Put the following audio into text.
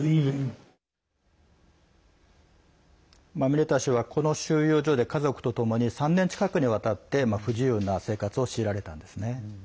ミネタ氏は、この収容所で家族とともに３年近くにわたって不自由な生活を強いられたんですね。